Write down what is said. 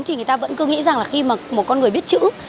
thì người ta vẫn cứ nghĩ rằng khi một con người biết chữ